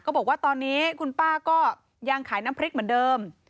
บอกว่าตอนนี้คุณป้าก็ยังขายน้ำพริกเหมือนเดิม